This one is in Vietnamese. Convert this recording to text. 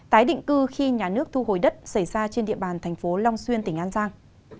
tái định cư khi nhà nước thu hồi đất xảy ra trên địa bàn thành phố long xuyên tỉnh an giang